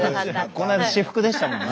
この間私服でしたもんね。